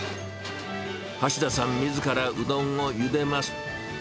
橋田さんみずからうどんをゆでます。